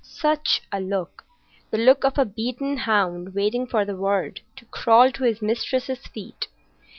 Such a look! The look of a beaten hound waiting for the word to crawl to his mistress's feet.